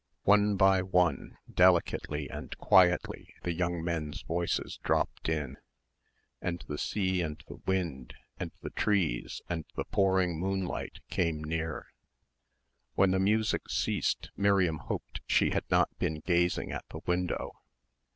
One by one, delicately and quietly the young men's voices dropped in, and the sea and the wind and the trees and the pouring moonlight came near. When the music ceased Miriam hoped she had not been gazing at the window.